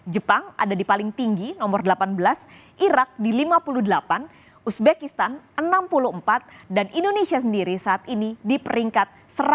jepang ada di paling tinggi nomor delapan belas irak di lima puluh delapan uzbekistan enam puluh empat dan indonesia sendiri saat ini di peringkat satu ratus enam puluh